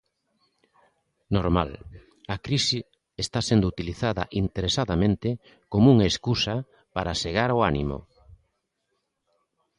Normal: a crise está sendo utilizada interesadamente coma unha escusa para segar o ánimo.